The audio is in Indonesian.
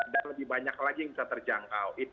dan lebih banyak lagi yang bisa terjangkau